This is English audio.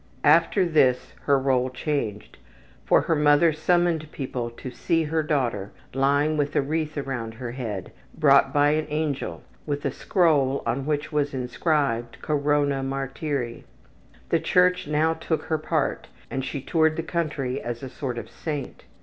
After this her role changed, for her mother summoned people to see her daughter lying with a wreath around her head, brought by an angel, with a scroll on which was inscribed ``Corona Martyri.'' The church now took her part and she toured the country as a sort of saint.